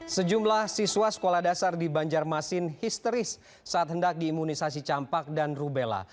sejumlah siswa sekolah dasar di banjarmasin histeris saat hendak diimunisasi campak dan rubella